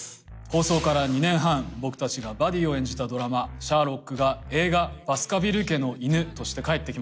放送から２年半僕たちがバディを演じたドラマ『シャーロック』が映画『バスカヴィル家の犬』として帰ってきます。